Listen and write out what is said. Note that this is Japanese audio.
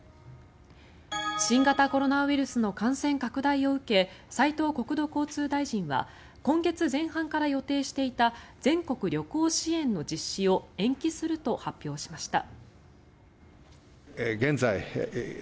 新型コロナウイルスの感染拡大を受け斉藤国土交通大臣は今月前半から予定していた全国旅行支援の実施を延期すると発表しました。